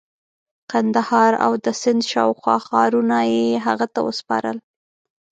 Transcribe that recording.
قندهار او د سند شاوخوا ښارونه یې هغه ته وسپارل.